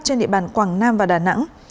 trên địa bàn quảng nam và đà nẵng